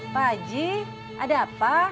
pak haji ada apa